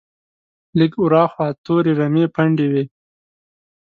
لږ ور هاخوا تورې رمې پنډې وې.